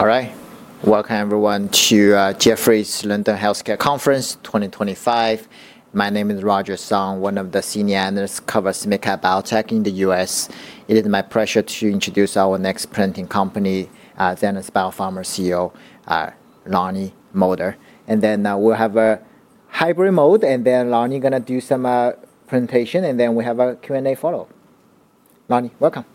All right. Welcome, everyone, to Jefferies London Healthcare Conference 2025. My name is Roger Song, one of the senior analysts covering mid-cap biotech in the U.S. It is my pleasure to introduce our next presenting company, Zenas BioPharma CEO, Lonnie Moulder. We will have a hybrid mode, and Lonnie is going to do some presentation, and then we have a Q&A to follow. Lonnie, welcome.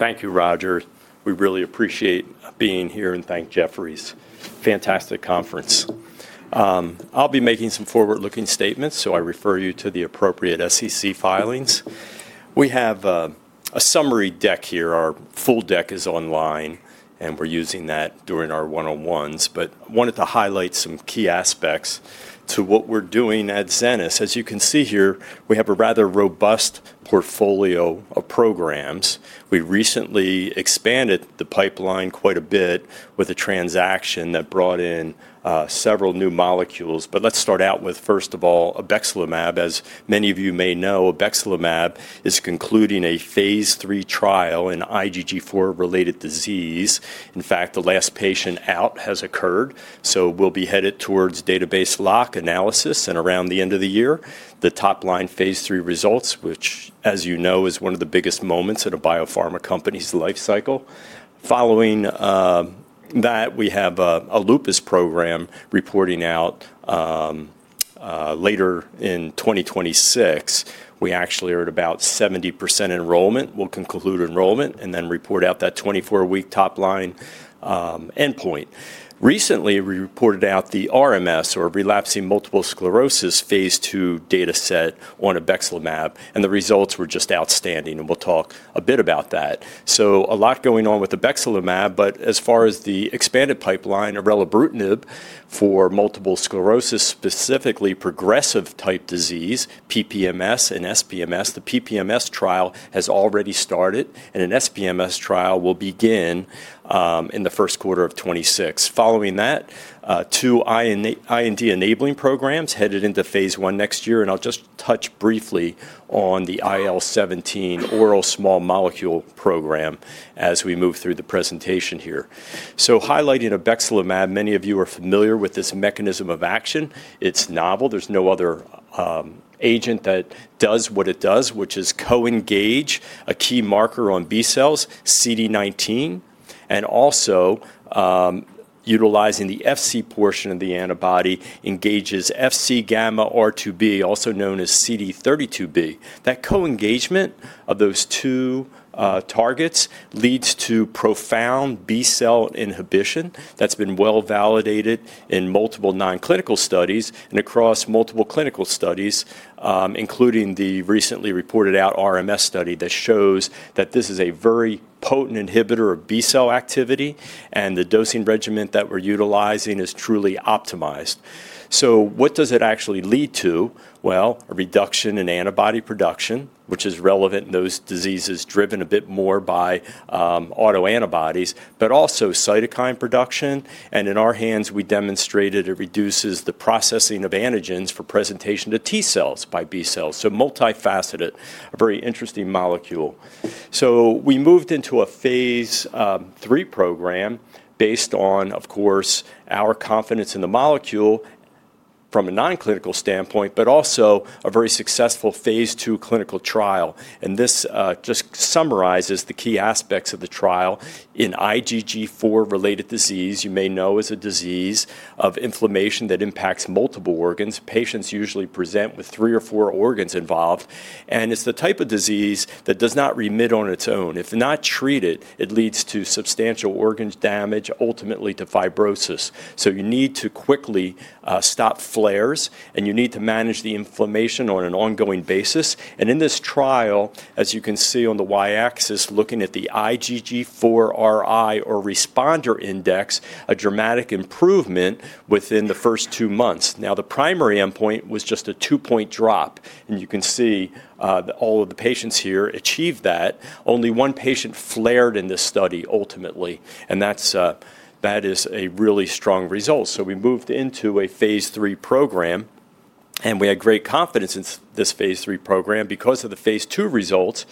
Thank you, Roger. We really appreciate being here and thank Jefferies. Fantastic conference. I'll be making some forward-looking statements, so I refer you to the appropriate SEC filings. We have a summary deck here. Our full deck is online, and we're using that during our one-on-ones. I wanted to highlight some key aspects to what we're doing at Zenas. As you can see here, we have a rather robust portfolio of programs. We recently expanded the pipeline quite a bit with a transaction that brought in several new molecules. Let's start out with, first of all, obexelimab. As many of you may know, obexelimab is concluding a phase III trial in IgG4-related disease. In fact, the last patient out has occurred. We'll be headed towards database lock analysis and around the end of the year, the top-line phase III results, which, as you know, is one of the biggest moments in a biopharma company's life cycle. Following that, we have a lupus program reporting out later in 2026. We actually are at about 70% enrollment. We'll conclude enrollment and then report out that 24-week top-line endpoint. Recently, we reported out the RMS, or relapsing multiple sclerosis, phase II data set on obexelimab, and the results were just outstanding. We'll talk a bit about that. A lot is going on with obexelimab, but as far as the expanded pipeline of rilzabrutinib for multiple sclerosis, specifically progressive-type disease, PPMS and SPMS, the PPMS trial has already started, and an SPMS trial will begin in the first quarter of 2026. Following that, two IND enabling programs headed into phase I next year, and I'll just touch briefly on the IL-17 oral small molecule program as we move through the presentation here. Highlighting obexelimab, many of you are familiar with this mechanism of action. It's novel. There's no other agent that does what it does, which is co-engage a key marker on B cells, CD19, and also utilizing the Fc portion of the antibody engages Fc gamma R2b, also known as CD32b. That co-engagement of those two targets leads to profound B cell inhibition that's been well validated in multiple nonclinical studies and across multiple clinical studies, including the recently reported out RMS study that shows that this is a very potent inhibitor of B cell activity, and the dosing regimen that we're utilizing is truly optimized. What does it actually lead to? A reduction in antibody production, which is relevant in those diseases driven a bit more by autoantibodies, but also cytokine production. In our hands, we demonstrated it reduces the processing of antigens for presentation to T cells by B cells. Multifaceted, a very interesting molecule. We moved into a phase III program based on, of course, our confidence in the molecule from a nonclinical standpoint, but also a very successful phase II clinical trial. This just summarizes the key aspects of the trial. In IgG4-related disease, you may know as a disease of inflammation that impacts multiple organs. Patients usually present with three or four organs involved, and it is the type of disease that does not remit on its own. If not treated, it leads to substantial organ damage, ultimately to fibrosis. You need to quickly stop flares, and you need to manage the inflammation on an ongoing basis. In this trial, as you can see on the y-axis, looking at the IgG4-RI or responder index, a dramatic improvement within the first two months. The primary endpoint was just a two-point drop, and you can see all of the patients here achieved that. Only one patient flared in this study ultimately, and that is a really strong result. We moved into a phase III program, and we had great confidence in this phase III program because of the phase II results.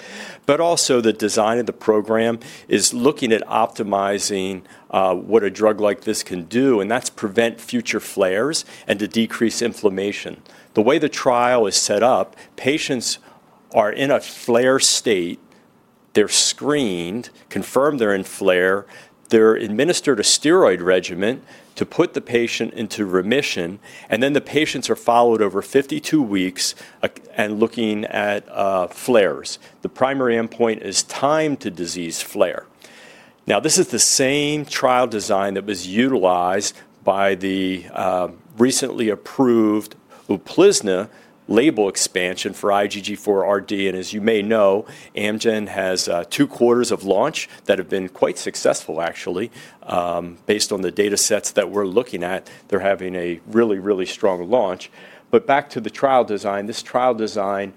Also, the design of the program is looking at optimizing what a drug like this can do, and that is prevent future flares and to decrease inflammation. The way the trial is set up, patients are in a flare state, they're screened, confirmed they're in flare, they're administered a steroid regimen to put the patient into remission, and then the patients are followed over 52 weeks and looking at flares. The primary endpoint is time to disease flare. Now, this is the same trial design that was utilized by the recently approved Uplizna label expansion for IgG4-RD. As you may know, Amgen has two quarters of launch that have been quite successful, actually. Based on the data sets that we're looking at, they're having a really, really strong launch. Back to the trial design, this trial design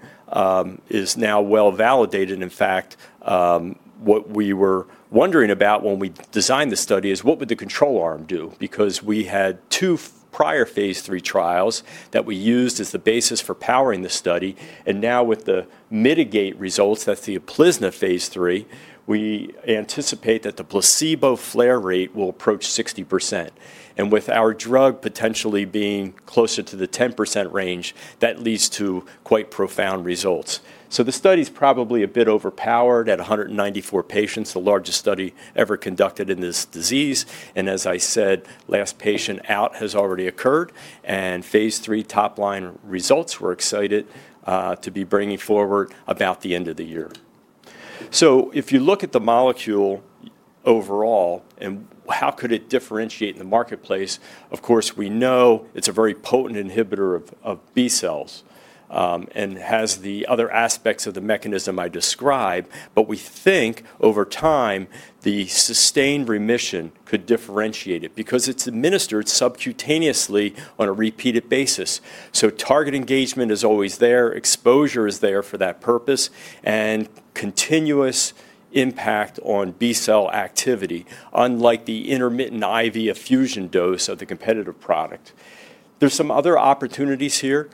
is now well validated. In fact, what we were wondering about when we designed the study is what would the control arm do? Because we had two prior phase III trials that we used as the basis for powering the study, and now with the MITIGATE results, that's the Uplizna phase III, we anticipate that the placebo flare rate will approach 60%. With our drug potentially being closer to the 10% range, that leads to quite profound results. The study is probably a bit overpowered at 194 patients, the largest study ever conducted in this disease. As I said, last patient out has already occurred, and phase III top-line results we're excited to be bringing forward about the end of the year. If you look at the molecule overall and how it could differentiate in the marketplace, of course, we know it's a very potent inhibitor of B cells and has the other aspects of the mechanism I described, but we think over time the sustained remission could differentiate it because it's administered subcutaneously on a repeated basis. Target engagement is always there, exposure is there for that purpose, and continuous impact on B cell activity, unlike the intermittent IV infusion dose of the competitive product. There are some other opportunities here.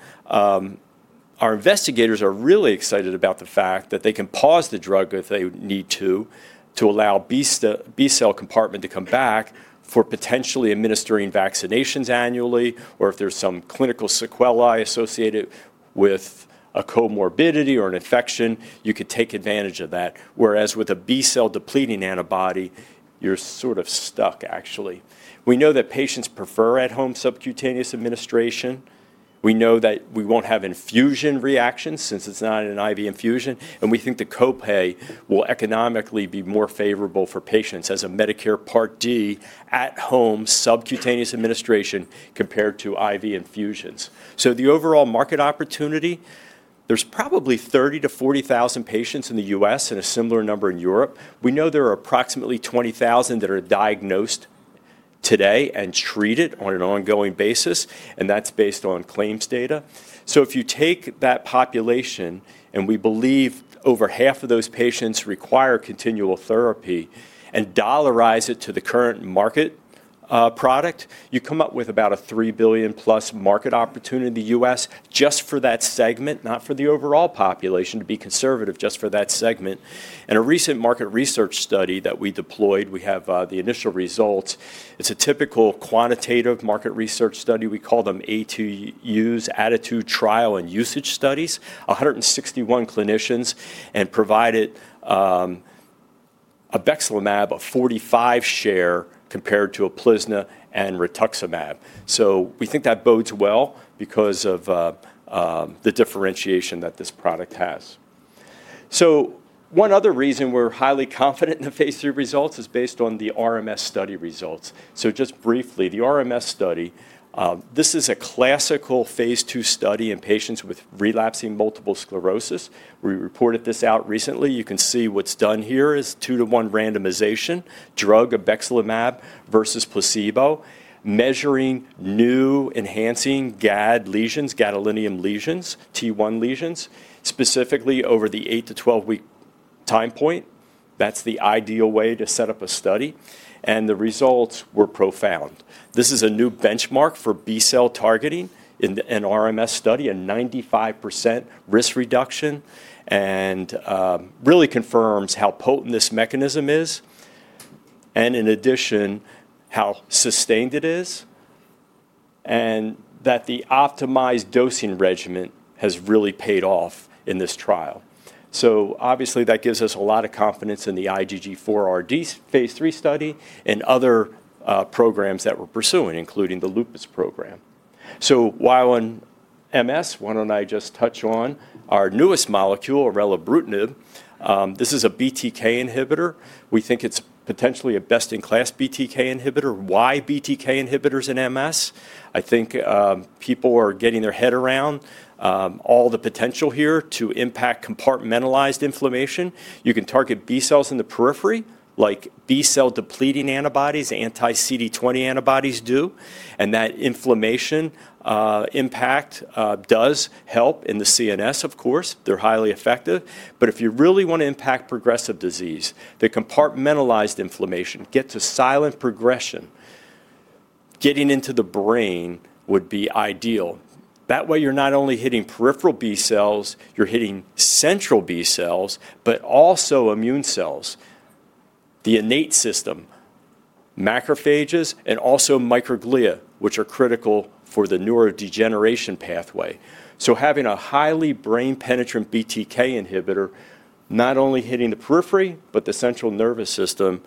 Our investigators are really excited about the fact that they can pause the drug if they need to, to allow the B cell compartment to come back for potentially administering vaccinations annually, or if there's some clinical sequelae associated with a comorbidity or an infection, you could take advantage of that. Whereas with a B cell depleting antibody, you're sort of stuck, actually. We know that patients prefer at-home subcutaneous administration. We know that we won't have infusion reactions since it's not an IV infusion, and we think the copay will economically be more favorable for patients as a Medicare Part D at-home subcutaneous administration compared to IV infusions. The overall market opportunity, there's probably 30,000-40,000 patients in the U.S. and a similar number in Europe. We know there are approximately 20,000 that are diagnosed today and treated on an ongoing basis, and that's based on claims data. If you take that population, and we believe over half of those patients require continual therapy, and dollarize it to the current market product, you come up with about a $3 billion+ market opportunity in the U.S. just for that segment, not for the overall population, to be conservative just for that segment. A recent market research study that we deployed, we have the initial results. It's a typical quantitative market research study. We call them A2Us, Attitude Trial and Usage Studies, 161 clinicians, and provided obexelimab a 45% share compared to Uplizna and rituximab. We think that bodes well because of the differentiation that this product has. One other reason we're highly confident in the phase III results is based on the RMS study results. Just briefly, the RMS study, this is a classical phase II study in patients with relapsing multiple sclerosis. We reported this out recently. You can see what's done here is two-to-one randomization, drug obexelimab versus placebo, measuring new enhancing GAD lesions, gadolinium lesions, T1 lesions, specifically over the 8 to 12-week time point. That's the ideal way to set up a study, and the results were profound. This is a new benchmark for B cell targeting in an RMS study, a 95% risk reduction, and really confirms how potent this mechanism is, and in addition, how sustained it is, and that the optimized dosing regimen has really paid off in this trial. Obviously, that gives us a lot of confidence in the IgG4-RD phase III study and other programs that we're pursuing, including the lupus program. While on MS, why don't I just touch on our newest molecule, rilzabrutinib? This is a BTK inhibitor. We think it's potentially a best-in-class BTK inhibitor. Why BTK inhibitors in MS? I think people are getting their head around all the potential here to impact compartmentalized inflammation. You can target B cells in the periphery like B cell depleting antibodies, anti-CD20 antibodies do, and that inflammation impact does help in the CNS, of course. They're highly effective. If you really want to impact progressive disease, the compartmentalized inflammation, get to silent progression, getting into the brain would be ideal. That way, you're not only hitting peripheral B cells, you're hitting central B cells, but also immune cells, the innate system, macrophages, and also microglia, which are critical for the neurodegeneration pathway. Having a highly brain-penetrant BTK inhibitor, not only hitting the periphery, but the central nervous system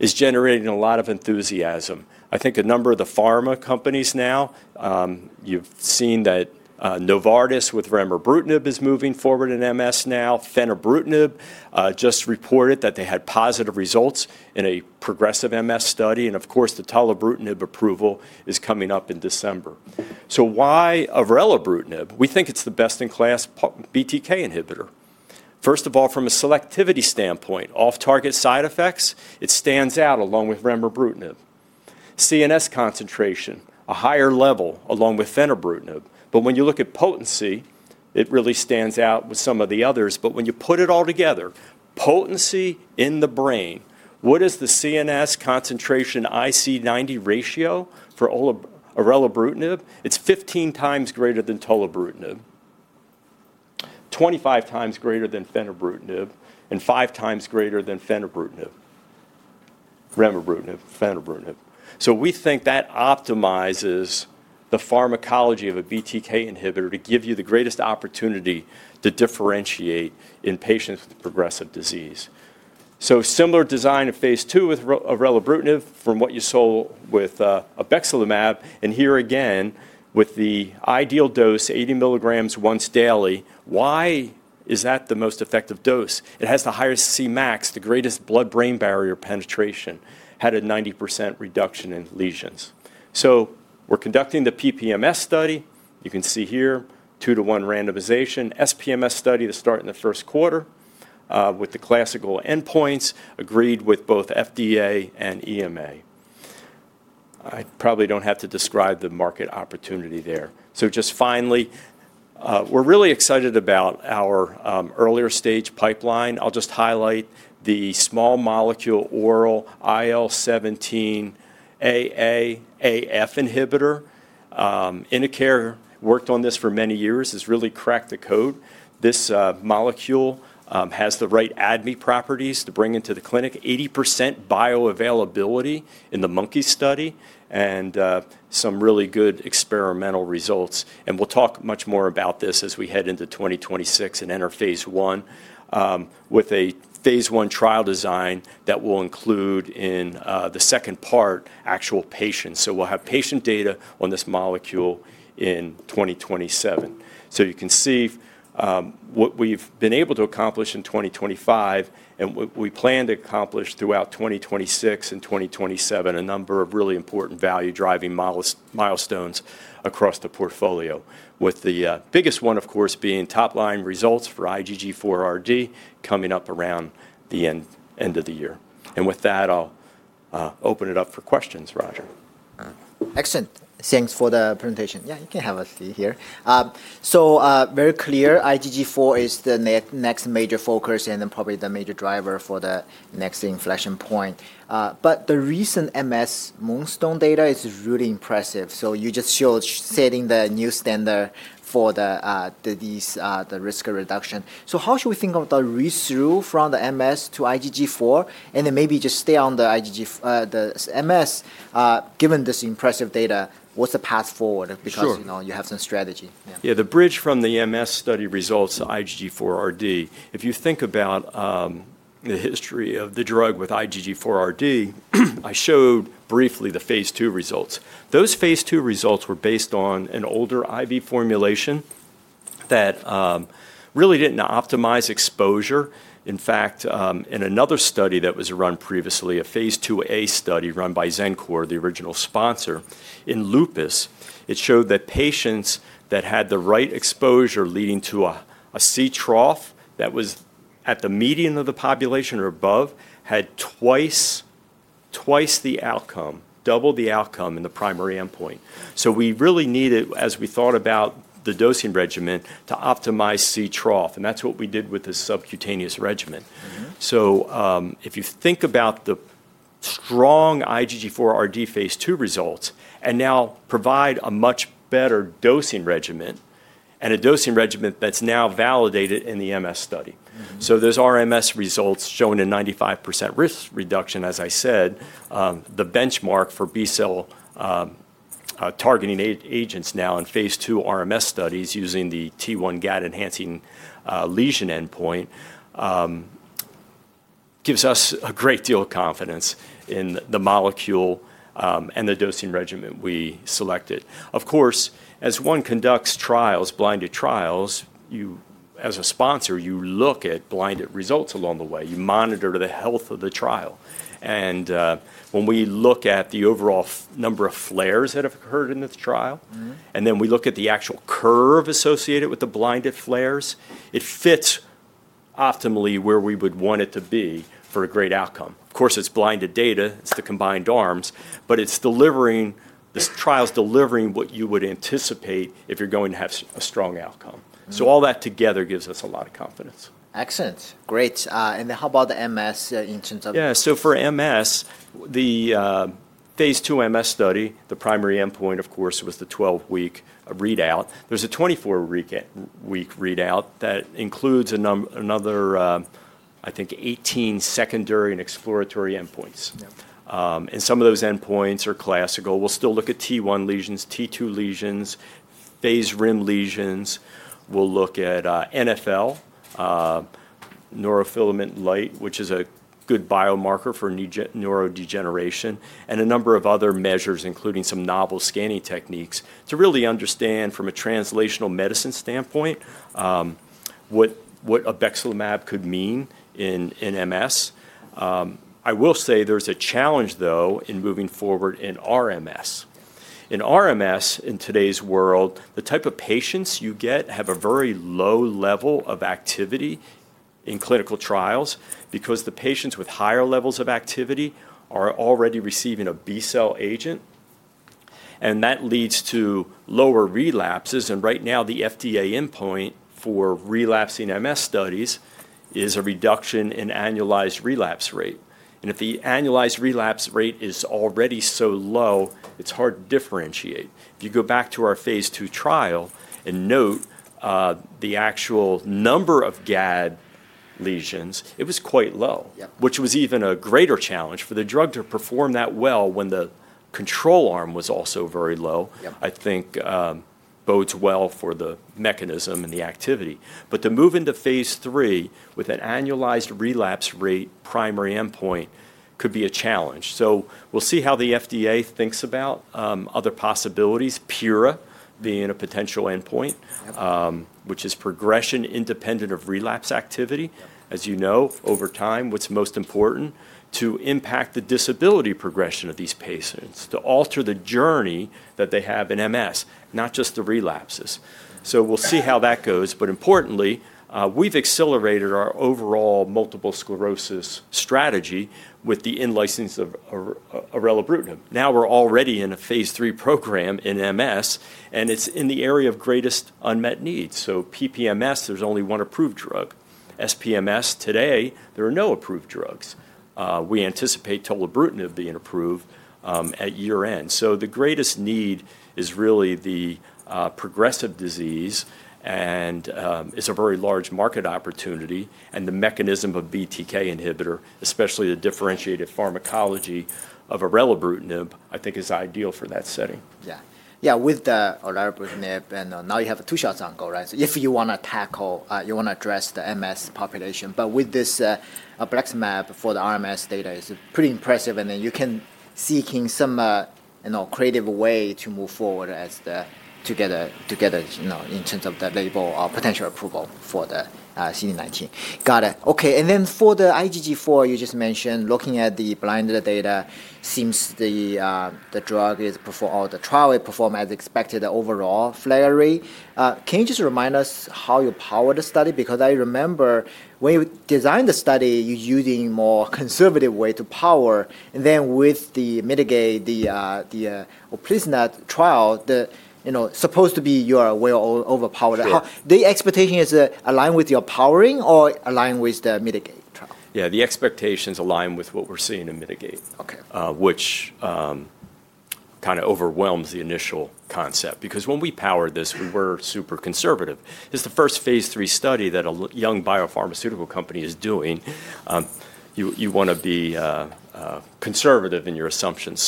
is generating a lot of enthusiasm. I think a number of the pharma companies now, you've seen that Novartis with remerbrutinib is moving forward in MS now. Fenerbrutinib just reported that they had positive results in a progressive MS study, and of course, the tolebrutinib approval is coming up in December. Why rilzabrutinib? We think it's the best-in-class BTK inhibitor. First of all, from a selectivity standpoint, off-target side effects, it stands out along with remerbrutinib. CNS concentration, a higher level along with fenerbrutinib, but when you look at potency, it really stands out with some of the others. When you put it all together, potency in the brain, what is the CNS concentration IC90 ratio for rilzabrutinib? It's 15x greater than tolebrutinib, 25x greater than fenerbrutinib, and 5x greater than fenerbrutinib, remerbrutinib, fenerbrutinib. We think that optimizes the pharmacology of a BTK inhibitor to give you the greatest opportunity to differentiate in patients with progressive disease. Similar design of phase II with rilzabrutinib from what you saw with obexelimab, and here again with the ideal dose, 80 mg once daily, why is that the most effective dose? It has the highest Cmax, the greatest blood-brain barrier penetration, had a 90% reduction in lesions. We're conducting the PPMS study. You can see here, two-to-one randomization, SPMS study to start in the first quarter with the classical endpoints agreed with both FDA and EMA. I probably do not have to describe the market opportunity there. Just finally, we're really excited about our earlier stage pipeline. I'll just highlight the small molecule oral IL-17 A/A, A/F inhibitor. InnoCare worked on this for many years. It's really cracked the code. This molecule has the right ADME properties to bring into the clinic, 80% bioavailability in the monkey study, and some really good experimental results. We will talk much more about this as we head into 2026 and enter phase I with a phase I trial design that will include in the second part actual patients. We will have patient data on this molecule in 2027. You can see what we have been able to accomplish in 2025 and what we plan to accomplish throughout 2026 and 2027, a number of really important value-driving milestones across the portfolio, with the biggest one, of course, being top-line results for IgG4-RD coming up around the end of the year. With that, I will open it up for questions, Roger. Excellent. Thanks for the presentation. Yeah, you can have a seat here. Very clear, IgG4 is the next major focus and probably the major driver for the next inflection point. The recent MS milestone data is really impressive. You just showed setting the new standard for the risk reduction. How should we think about the re-through from the MS to IgG4? Maybe just stay on the MS given this impressive data. What's the path forward? You have some strategy. Yeah, the bridge from the MS study results to IgG4-RD, if you think about the history of the drug with IgG4-RD, I showed briefly the phase II results. Those phase II results were based on an older IV formulation that really did not optimize exposure. In fact, in another study that was run previously, a phase II-A study run by Xencor, the original sponsor, in lupus, it showed that patients that had the right exposure leading to a C trough that was at the median of the population or above had twice the outcome, double the outcome in the primary endpoint. So we really needed, as we thought about the dosing regimen, to optimize C-trough, and that is what we did with the subcutaneous regimen. If you think about the strong IgG4-RD phase II results and now provide a much better dosing regimen and a dosing regimen that's now validated in the MS study. Those RMS results showing a 95% risk reduction, as I said, the benchmark for B cell targeting agents now in phase II RMS studies using the T1 GAD enhancing lesion endpoint gives us a great deal of confidence in the molecule and the dosing regimen we selected. Of course, as one conducts trials, blinded trials, as a sponsor, you look at blinded results along the way. You monitor the health of the trial. When we look at the overall number of flares that have occurred in this trial, and then we look at the actual curve associated with the blinded flares, it fits optimally where we would want it to be for a great outcome. Of course, it's blinded data. It's the combined arms, but this trial's delivering what you would anticipate if you're going to have a strong outcome. All that together gives us a lot of confidence. Excellent. Great. How about the MS in terms of? Yeah, so for MS, the phase II MS study, the primary endpoint, of course, was the 12-week readout. There's a 24-week readout that includes another, I think, 18 secondary and exploratory endpoints. Some of those endpoints are classical. We'll still look at T1 lesions, T2 lesions, phase rim lesions. We'll look at NFL, neurofilament light, which is a good biomarker for neurodegeneration, and a number of other measures, including some novel scanning techniques to really understand from a translational medicine standpoint what obexelimab could mean in MS. I will say there's a challenge, though, in moving forward in RMS. In RMS, in today's world, the type of patients you get have a very low level of activity in clinical trials because the patients with higher levels of activity are already receiving a B cell agent, and that leads to lower relapses. Right now, the FDA endpoint for relapsing MS studies is a reduction in annualized relapse rate. If the annualized relapse rate is already so low, it's hard to differentiate. If you go back to our phase II trial and note the actual number of GAD lesions, it was quite low, which was even a greater challenge for the drug to perform that well when the control arm was also very low. I think it bodes well for the mechanism and the activity. To move into phase III with an annualized relapse rate primary endpoint could be a challenge. We'll see how the FDA thinks about other possibilities, PIRA being a potential endpoint, which is progression independent of relapse activity. As you know, over time, what's most important is to impact the disability progression of these patients, to alter the journey that they have in MS, not just the relapses. We'll see how that goes. Importantly, we've accelerated our overall multiple sclerosis strategy with the in-license of rilzabrutinib. Now we're already in a phase III program in MS, and it's in the area of greatest unmet needs. PPMS, there's only one approved drug. SPMS, today, there are no approved drugs. We anticipate tolebrutinib being approved at year-end. The greatest need is really the progressive disease and is a very large market opportunity. The mechanism of BTK inhibitor, especially the differentiated pharmacology of rilzabrutinib, I think is ideal for that setting. Yeah. Yeah, with the rilzabrutinib, and now you have two shots ongoing, right? If you want to tackle, you want to address the MS population. But with this obexelimab for the RMS data, it's pretty impressive. Then you can seek some creative way to move forward together in terms of the label or potential approval for the CD19. Got it. Okay. For the IgG4, you just mentioned looking at the blinded data, seems the drug performed, all the trial performed as expected, overall flare rate. Can you just remind us how you powered the study? Because I remember when you designed the study, you're using a more conservative way to power. With the MITIGATE, the obinutuzumab trial, supposed to be you are well overpowered. The expectation is aligned with your powering or aligned with the MITIGATE trial? Yeah, the expectations align with what we're seeing in MITIGATE, which kind of overwhelms the initial concept. Because when we powered this, we were super conservative. This is the first phase III study that a young biopharmaceutical company is doing. You want to be conservative in your assumptions.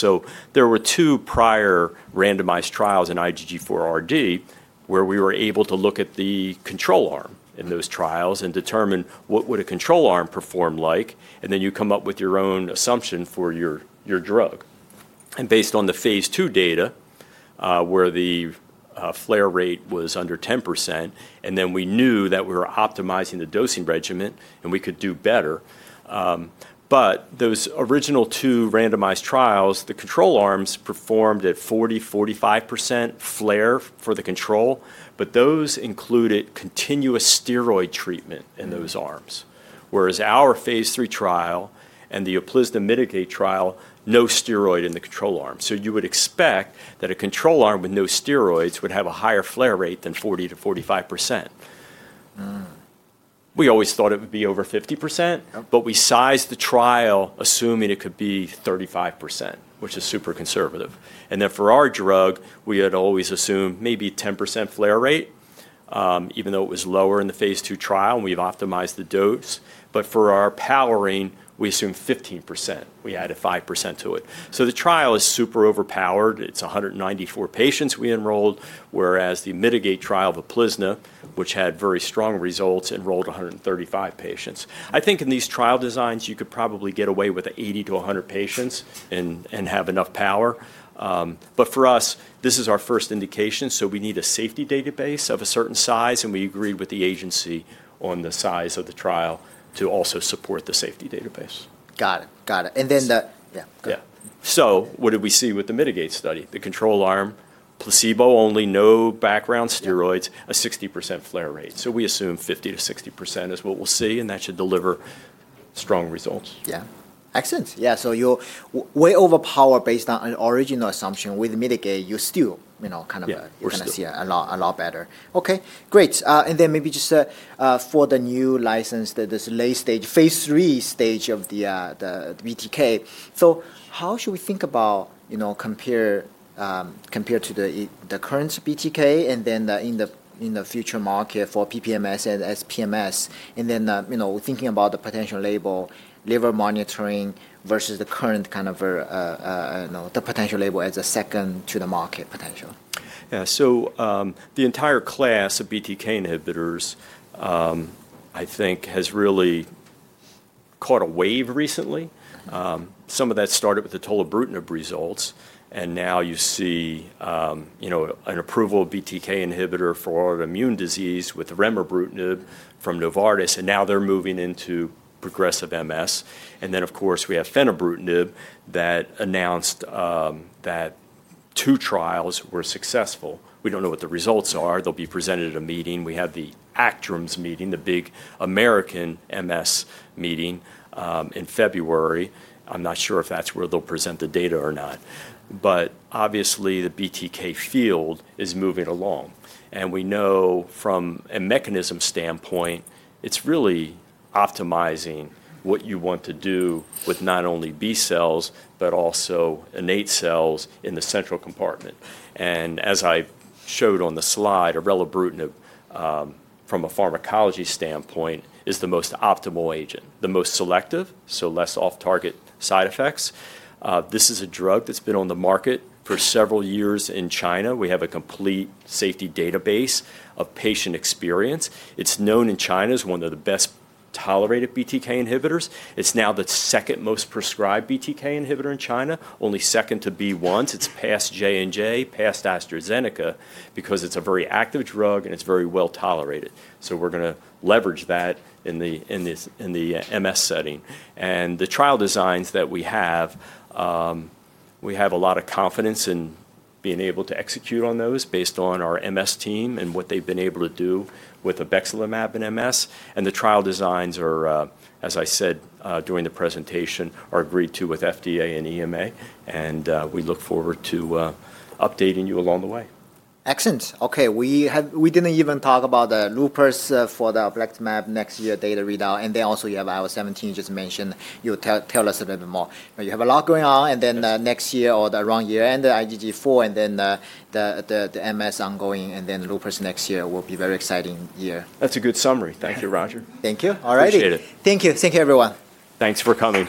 There were two prior randomized trials in IgG4-RD where we were able to look at the control arm in those trials and determine what would a control arm perform like. You come up with your own assumption for your drug. Based on the phase II data, where the flare rate was under 10%, we knew that we were optimizing the dosing regimen and we could do better. Those original two randomized trials, the control arms performed at 40%-45% flare for the control, but those included continuous steroid treatment in those arms. Whereas our phase III trial and the Uplizna MITIGATE trial, no steroid in the control arm. You would expect that a control arm with no steroids would have a higher flare rate than 40%-45%. We always thought it would be over 50%, but we sized the trial assuming it could be 35%, which is super conservative. For our drug, we had always assumed maybe 10% flare rate, even though it was lower in the phase II trial and we've optimized the dose. For our powering, we assumed 15%. We added 5% to it. The trial is super overpowered. It's 194 patients we enrolled, whereas the MITIGATE trial of Uplizna, which had very strong results, enrolled 135 patients. I think in these trial designs, you could probably get away with 80-100 patients and have enough power. For us, this is our first indication, so we need a safety database of a certain size, and we agreed with the agency on the size of the trial to also support the safety database. Got it. Got it. And then the. Yeah. So what did we see with the MITIGATE study? The control arm, placebo only, no background steroids, a 60% flare rate. So we assume 50%-60% is what we'll see, and that should deliver strong results. Yeah. Excellent. Yeah. So you're way overpowered based on an original assumption with Mitigate, you're still kind of. We're still. You're going to see a lot better. Okay. Great. Maybe just for the new license, this late stage, phase III stage of the BTK. How should we think about compare to the current BTK and then in the future market for PPMS and SPMS? Thinking about the potential label, liver monitoring versus the current kind of the potential label as a second to the market potential. Yeah. So the entire class of BTK inhibitors, I think, has really caught a wave recently. Some of that started with the tolebrutinib results, and now you see an approval of BTK inhibitor for autoimmune disease with rilzabrutinib from Novartis, and now they're moving into progressive MS. Of course, we have evobrutinib that announced that two trials were successful. We don't know what the results are. They'll be presented at a meeting. We have the ACTRIMS meeting, the big American MS meeting in February. I'm not sure if that's where they'll present the data or not. Obviously, the BTK field is moving along. We know from a mechanism standpoint, it's really optimizing what you want to do with not only B cells, but also innate cells in the central compartment. As I showed on the slide, rilzabrutinib from a pharmacology standpoint is the most optimal agent, the most selective, so less off-target side effects. This is a drug that's been on the market for several years in China. We have a complete safety database of patient experience. It's known in China as one of the best tolerated BTK inhibitors. It's now the second most prescribed BTK inhibitor in China, only second to B1s. It's past J&J, past AstraZeneca because it's a very active drug and it's very well tolerated. We're going to leverage that in the MS setting. The trial designs that we have, we have a lot of confidence in being able to execute on those based on our MS team and what they've been able to do with obexelimab in MS. The trial designs are, as I said during the presentation, are agreed to with FDA and EMA, and we look forward to updating you along the way. Excellent. Okay. We did not even talk about the lupus for the obexelimab next year data readout. You also have IL-17, you just mentioned. You will tell us a little bit more. You have a lot going on, and then next year or around year-end and the IgG4, and then the MS ongoing, and then lupus next year will be a very exciting year. That's a good summary. Thank you, Roger. Thank you. All righty. Appreciate it. Thank you. Thank you, everyone. Thanks for coming.